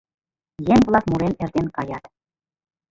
Еҥ-влак мурен эртен каят: